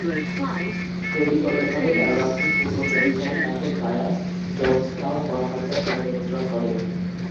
শৈলীগতভাবে, অ্যালবামটি পূর্ব প্রভাবের সাথে ব্রায়ান জোনসটাউন গণহত্যা শব্দ মিশ্রণ করে।